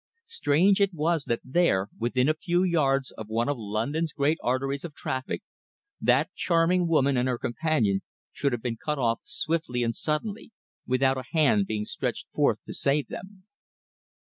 Strange it was that there, within a few yards of one of London's great arteries of traffic, that charming woman and her companion should have been cut off swiftly and suddenly, without a hand being stretched forth to save them.